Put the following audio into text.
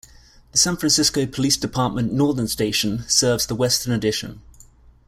The San Francisco Police Department Northern Station serves the Western Addition.